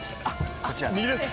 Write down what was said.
右です！